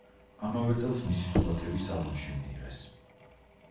ამავე წელს მისი სურათები სალონში მიიღეს.